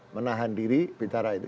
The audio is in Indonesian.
menahan diri bicara itu